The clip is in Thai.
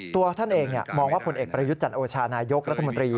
ตัวท่านเองมองว่าผลเอกประยุทธ์จันโอชานายกรัฐมนตรี